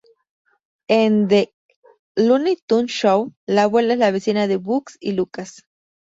En "The Looney Tunes Show", la abuela es vecina de Bugs y Lucas.